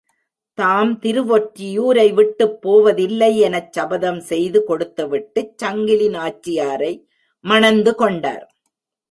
தாம் திருவொற்றியூரை விட்டுப் போவதில்லை எனச் சபதம் செய்து கொடுத்துவிட்டுச் சங்கிலி நாச்சியாரை மணந்து கொண்டார்.